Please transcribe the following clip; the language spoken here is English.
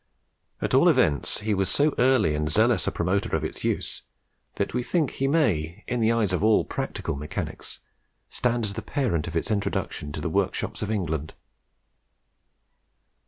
At all events, he was so early and zealous a promoter of its use, that we think he may, in the eyes of all practical mechanics, stand as the parent of its introduction to the workshops of England.